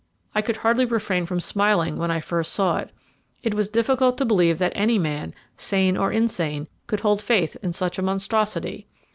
I could hardly refrain from smiling when I first saw it. It was difficult to believe that any man, sane or insane, could hold faith in such a monstrosity.